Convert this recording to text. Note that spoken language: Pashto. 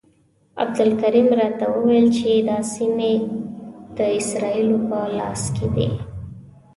عبدالکریم راته وویل چې دا سیمې د اسرائیلو په لاس کې دي.